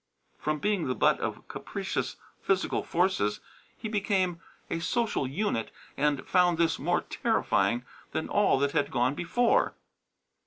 From being the butt of capricious physical forces he became a social unit and found this more terrifying than all that had gone before.